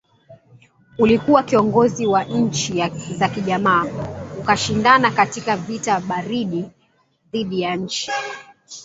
ulikuwa kiongozi wa nchi za kijamaa ukishindana katika vita baridi dhidi ya nchi